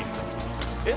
えっ？